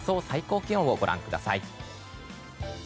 最高気温をご覧ください。